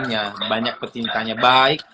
makanya banyak petintanya baik